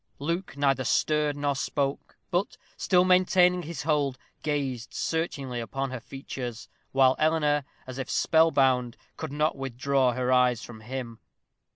Luke neither stirred nor spoke, but, still maintaining his hold, gazed searchingly upon her features, while Eleanor, as if spell bound, could not withdraw her eyes from him.